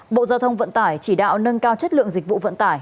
bộ giao thông vận tải chỉ đạo nâng cao chất lượng dịch vụ vận tải